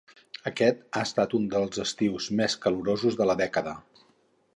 Aquest ha estat un dels estius més calorosos de la dècada.